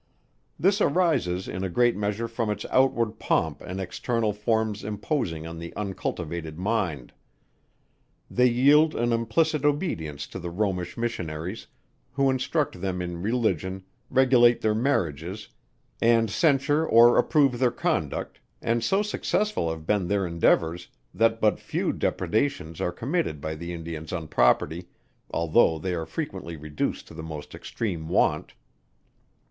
This arises in a great measure from its outward pomp and external forms imposing on the uncultivated mind. They yield an implicit obedience to the Romish Missionaries, who instruct them in religion, regulate their marriages, and censure or approve their conduct, and so successful have been their endeavours, that but few depredations are committed by the Indians on property, although they are frequently reduced to the most extreme want.